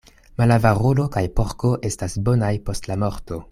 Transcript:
Malavarulo kaj porko estas bonaj post la morto.